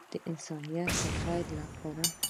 د انسانیت د خیر لپاره.